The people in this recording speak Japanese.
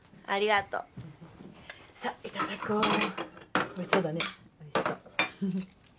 ありがとう。